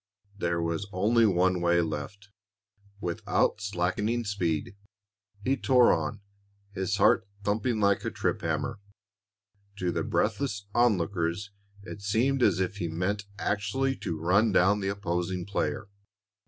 There was only one way left. Without slackening speed, he tore on, his heart thumping like a trip hammer. To the breathless onlookers it seemed as if he meant actually to run down the opposing player.